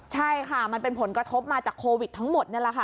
ใช่ค่ะมันเป็นผลกระทบมาจากโควิดทั้งหมดนี่แหละค่ะ